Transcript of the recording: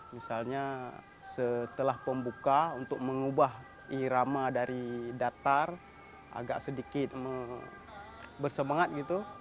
misalnya setelah pembuka untuk mengubah irama dari datar agak sedikit bersemangat gitu